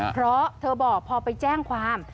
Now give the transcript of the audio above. เพราะเธอบอกพอไปแจ้งความ